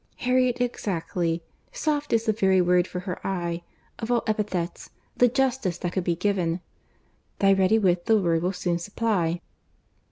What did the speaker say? Harriet exactly. Soft is the very word for her eye—of all epithets, the justest that could be given. Thy ready wit the word will soon supply.